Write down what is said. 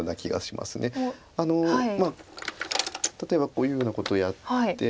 まあ例えばこういうふうなことやって。